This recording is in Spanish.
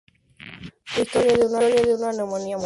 La historia de una neumonía mortal carece de fundamento.